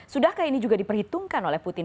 sudahkah ini juga diperhitungkan oleh putin